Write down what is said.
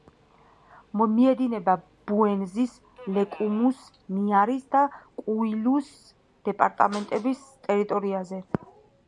მიედინება ბუენზის, ლეკუმუს, ნიარის და კუილუს დეპარტამენტების ტერიტორიებზე.